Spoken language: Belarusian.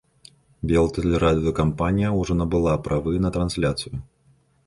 Белтэлерадыёкампанія ўжо набыла правы на трансляцыю.